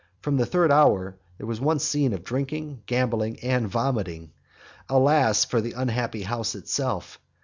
From the third hour there was one scene of drinking, gambling, and vomiting. Alas for the unhappy house itself!